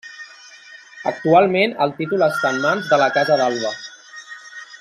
Actualment el títol està en mans de la Casa d'Alba.